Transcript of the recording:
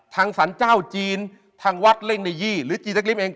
สรรเจ้าจีนทางวัดเร่งในยี่หรือจีนสักริมเอง